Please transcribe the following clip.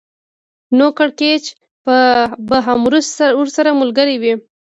نو کړکېچ به هم ورسره ملګری وي